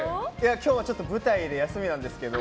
今日はちょっと舞台で休みなんですけど。